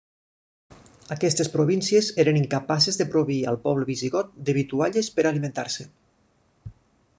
Aquestes províncies eren incapaces de proveir al poble visigot de vitualles per alimentar-se.